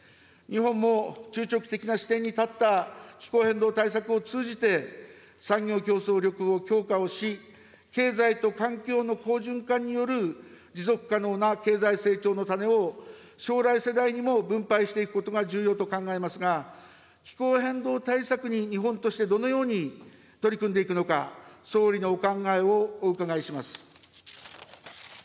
日本も中長期的な視点に立った気候変動対策を通じて、産業競争力を強化をし、経済と環境の好循環による持続可能な経済成長の種を将来世代にも分配していくことが重要と考えますが、気候変動対策に日本としてどのように取り組んでいくのか、総理のお考えをお伺いします。